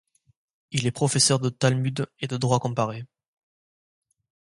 Il est professeur de Talmud et de droit comparé.